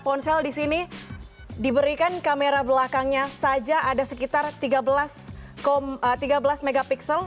ponsel di sini diberikan kamera belakangnya saja ada sekitar tiga belas mp